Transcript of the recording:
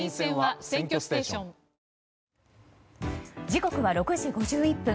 時刻は６時５１分。